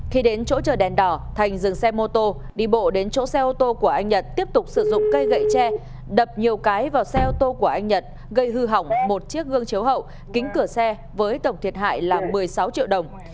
khi đến chỗ chờ đèn đỏ thành dừng xe mô tô đi bộ đến chỗ xe ô tô của anh nhật tiếp tục sử dụng cây gậy tre đập nhiều cái vào xe ô tô của anh nhật gây hư hỏng một chiếc gương chiếu hậu kính cửa xe với tổng thiệt hại là một mươi sáu triệu đồng